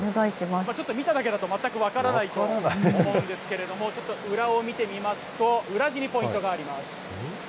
ちょっと見ただけだと全く分からないと思うんですけれども、ちょっと裏を見てみますと、裏地にポイントがあります。